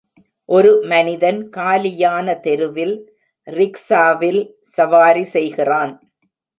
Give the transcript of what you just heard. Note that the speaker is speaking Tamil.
ஒரு மனிதன் காலியான தெருவில் ரிக்சாவில் சவாரி செய்கிறான்